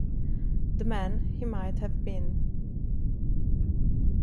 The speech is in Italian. The Man He Might Have Been